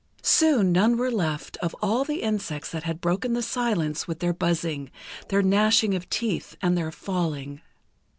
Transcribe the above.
Soon none were left of all the insects that had broken the silence with their buzzing, their gnashing of teeth, and their falling.